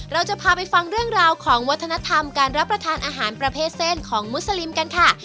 เราจะพาไปฟังเรื่องราวของวัฒนธรรมการรับประทานอาหารประเภทเส้นของมุสลิมกันค่ะ